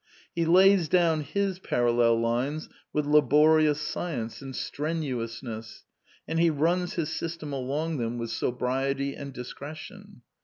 He lays down his parallel lines with laborious science and strenuousness, and he runs his system along them with sobriety and dis cretion.